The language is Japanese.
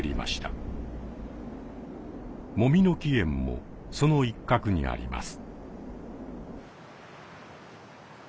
もみの木苑もその一角にあります。